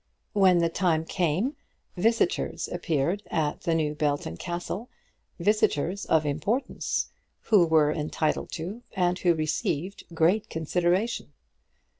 when that time came visitors appeared at the new Belton Castle, visitors of importance, who were entitled to, and who received, great consideration.